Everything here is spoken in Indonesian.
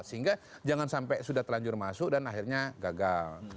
sehingga jangan sampai sudah terlanjur masuk dan akhirnya gagal